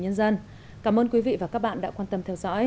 nhân dân cảm ơn quý vị và các bạn đã quan tâm theo dõi thân ái chào tạm biệt